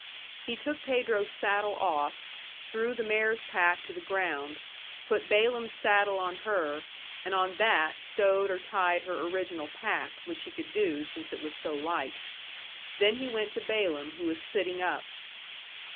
He took Pedro's saddle off, threw the mare's pack to the ground, put Balaam's saddle on her, and on that stowed or tied her original pack, which he could do, since it was so light. Then he went to Balaam, who was sitting up.